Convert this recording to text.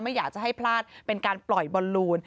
ไม่อยากจะให้พลาดเป็นการปล่อยบอลลูน